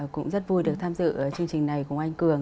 cũng rất vui được tham dự chương trình này cùng anh cường